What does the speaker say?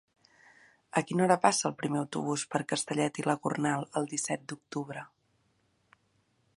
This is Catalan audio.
A quina hora passa el primer autobús per Castellet i la Gornal el disset d'octubre?